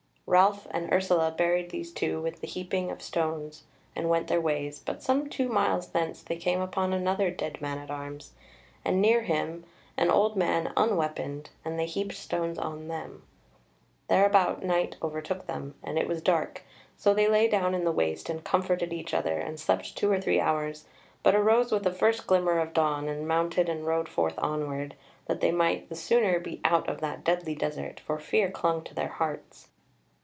Ralph and Ursula buried these two with the heaping of stones and went their ways; but some two miles thence they came upon another dead man at arms, and near him an old man unweaponed, and they heaped stones on them. Thereabout night overtook them, and it was dark, so they lay down in the waste, and comforted each other, and slept two or three hours, but arose with the first glimmer of dawn, and mounted and rode forth onward, that they might the sooner be out of that deadly desert, for fear clung to their hearts.